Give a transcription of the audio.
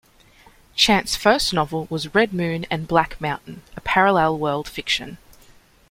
Chant's first novel was "Red Moon and Black Mountain", a parallel world fiction.